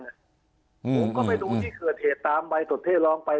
ผมก็ไปดูที่เกิดเหตุตามใบตนที่ร้องไป